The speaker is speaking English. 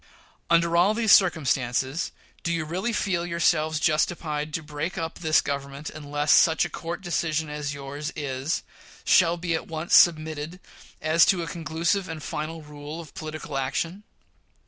Under all these circumstances, do you really feel yourselves justified to break up this Government unless such a court decision as yours is shall be at once submitted to as a conclusive and final rule of political action?